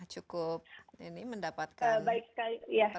cukup mendapatkan perhatian